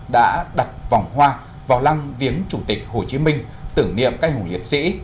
đã đặt vòng hoa vào lăng viếng chủ tịch hồ chí minh tử nghiệm cây hồ liệt sĩ